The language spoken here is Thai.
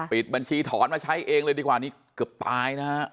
ปิดบัญชีถอนมาใช้เองเลยดีกว่านี้เกือบตายนะฮะ